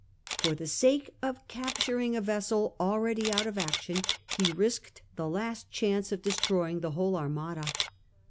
For the sake of capturing a vessel already out of action he risked the last chance of destroying the whole Armada.